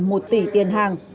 một tỷ tiền hàng